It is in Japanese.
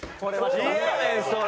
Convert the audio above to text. なんやねんそれ。